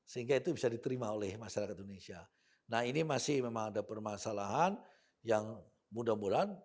sehingga itu bisa diterima oleh masyarakat indonesia nah ini masih memang ada permasalahan yang mudah mudahan